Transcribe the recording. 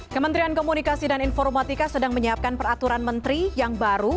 kementerian komunikasi dan informatika sedang menyiapkan peraturan menteri yang baru